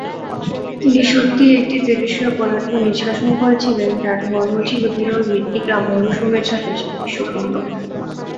তিনি সত্যিই একটি তেজস্ক্রিয় পদার্থ নিষ্কাশন করেছিলেন যার ধর্ম ছিল বিরল মৃত্তিকা মৌলসমূহের সাথে সাদৃশ্যপূর্ণ।